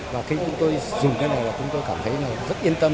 và khi chúng tôi dùng cái này là chúng tôi cảm thấy là rất yên tâm